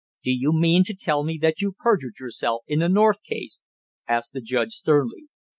"Do you mean to tell me that you perjured yourself in the North case?" asked the judge sternly.